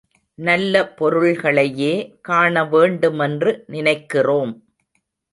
நல்ல பொருள்களையே காண வேண்டுமென்று நினைக்கிறோம்.